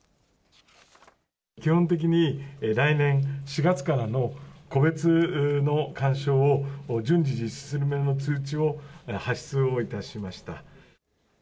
基本的に、来年４月からの個別の勧奨を、順次に進める通知を発出をいたしました。